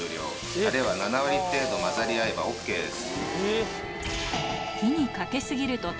タレは７割程度混ざり合えばＯＫです。